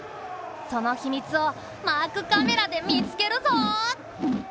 その秘密をマークカメラで見つけるぞ。